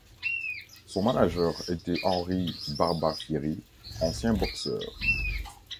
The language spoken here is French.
Son manager était Henri Barbafieri, ancien boxeur.